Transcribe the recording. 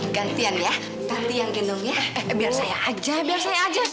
gantian ya tapi yang genung ya biar saya aja biar saya aja